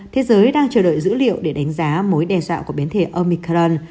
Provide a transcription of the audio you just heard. thế giới đang chờ đợi dữ liệu để đánh giá mối đe dạo của biến thể omicron